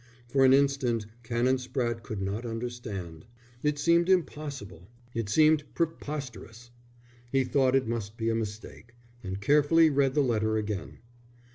For an instant Canon Spratte could not understand. It seemed impossible, it seemed preposterous. He thought it must be a mistake, and carefully read the letter again.